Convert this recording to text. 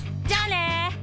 じゃあね！